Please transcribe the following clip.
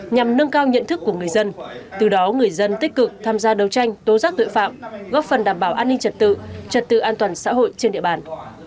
nhằm nâng cao nhận thức của người dân từ đó người dân tích cực tham gia đấu tranh tố giác tội phạm góp phần đảm bảo an ninh trật tự trật tự an toàn xã hội trên địa bàn